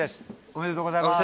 おめでとうございます。